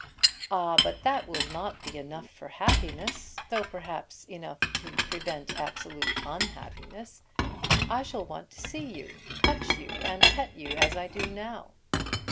"Ah, but that will not be enough for happiness, though perhaps enough to prevent absolute unhappiness. I shall want to see you, touch you, and pet you as I do now."